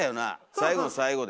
最後の最後で」。